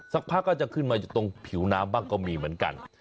สักพักก็จะขึ้นมาอยู่ตรงผิวน้ำบ้างก็มีเหมือนกัน